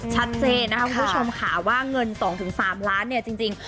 ชัดเจนนะครับคุณผู้ชมค่ะว่าเงิน๒๓ล้านเนี่ยจริง